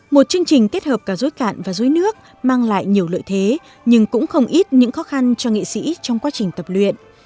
một chương trình kết hợp cả dối cạn và dối nước mang lại nhiều lợi thế nhưng cũng không ít những khó khăn cho nghệ sĩ trong quá trình tập luyện